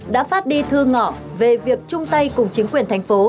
đã phát đi thư ngõ về việc chung tay cùng chính quyền thành phố